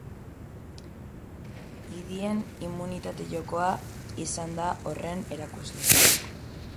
Idien immunitate jokoa izan da horren erakusle.